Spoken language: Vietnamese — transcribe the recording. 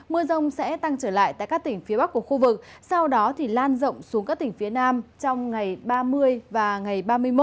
mưa rông sẽ tăng trở lại tại các tỉnh phía bắc của khu vực sau đó lan rộng xuống các tỉnh phía nam trong ngày ba mươi và ngày ba mươi một